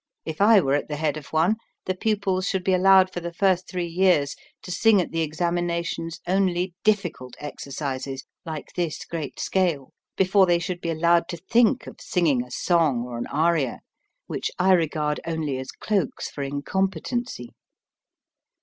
If I were at the head of one, the pupils should be allowed for the first three years to sing at the examinations only diffi cult exercises, like this great scale, before they THE GREAT SCALE 249 should be allowed to think of singing a song or an aria, which I regard only as cloaks for incompetency.